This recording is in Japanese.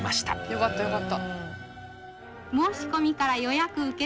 よかったよかった。